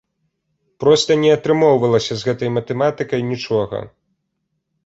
Проста не атрымоўвалася з гэтай матэматыкай нічога!